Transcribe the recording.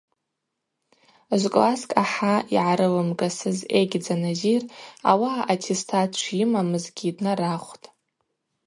Жвкласск ахӏа йгӏарылымгасыз Егьдза Назир ауаъа аттестат шйымамызгьи днарахвтӏ.